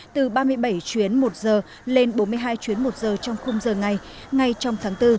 từ ba mươi bảy chuyến một giờ lên bốn mươi hai chuyến một giờ trong khung giờ ngày ngay trong tháng bốn